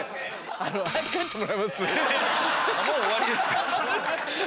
もう終わりですか？